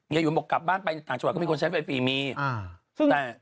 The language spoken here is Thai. อย่าอยู่รอบกลับบ้านนี้สหรัฐชาวิทจะมีคนใช้ไฟฟรีครับ